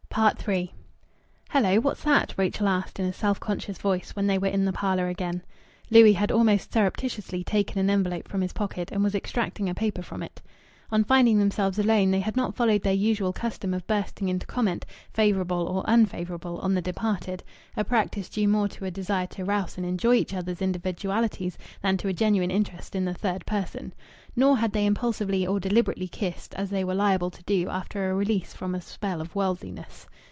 III "Hello! What's that?" Rachel asked, in a self conscious voice, when they were in the parlour again. Louis had almost surreptitiously taken an envelope from his pocket, and was extracting a paper from it. On finding themselves alone they had not followed their usual custom of bursting into comment, favourable or unfavourable, on the departed a practice due more to a desire to rouse and enjoy each other's individualities than to a genuine interest in the third person. Nor had they impulsively or deliberately kissed, as they were liable to do after release from a spell of worldliness.